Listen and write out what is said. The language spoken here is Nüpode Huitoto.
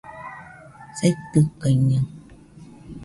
saitɨkaɨñaɨ